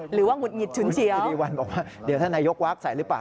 หรือว่าหงุดหงิดชุนเฉียวคุณสิริวัณบอกว่าเดี๋ยวถ้านายยกว๊าบใส่หรือเปล่า